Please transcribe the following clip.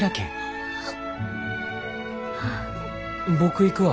僕行くわ。